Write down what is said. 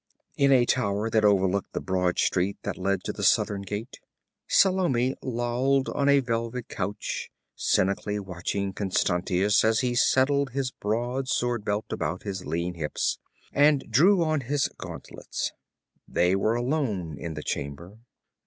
In a tower that overlooked the broad street that led to the southern gate, Salome lolled on a velvet couch cynically watching Constantius as he settled his broad sword belt about his lean hips and drew on his gauntlets. They were alone in the chamber.